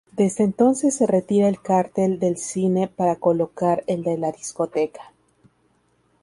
Desde entonces se retira el cartel del cine para colocar el de la discoteca.